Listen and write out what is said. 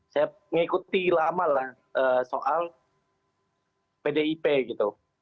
saya mengikuti lama lah soal pdip gitu